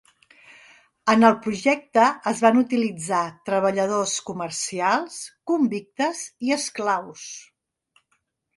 En el projecte es van utilitzar treballadors comercials, convictes i esclaus.